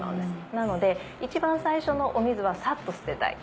なので一番最初のお水はサッと捨てたい。